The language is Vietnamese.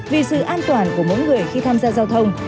vì sự an toàn của mỗi người khi tham gia giao thông